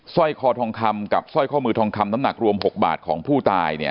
ร้อยคอทองคำกับสร้อยข้อมือทองคำน้ำหนักรวม๖บาทของผู้ตายเนี่ย